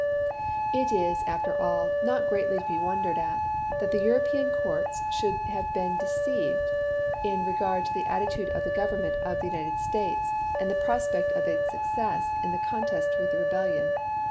It is, after all, not greatly to be wondered at that European courts should have been deceived in re gard to the attitude of the Government of the United States and the prospect of its success in the contest with rebellion.